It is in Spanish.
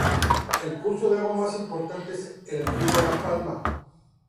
El curso de agua más importante es el río La Palma.